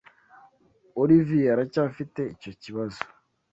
Olivier aracyafite icyo kibazo.